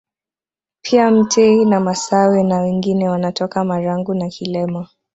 Pia mtei na masawe na wengine wanatoka Marangu na Kilema